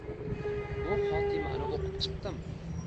Bu xotimani o’qib chiqdim.